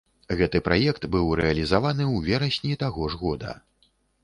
Гэты праект быў рэалізаваны ў верасні таго ж года.